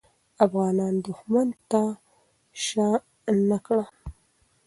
افغانان دښمن ته شا نه کړه.